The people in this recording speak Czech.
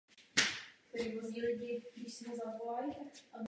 I já jsem se vždy zapojovala do ochrany těchto osob.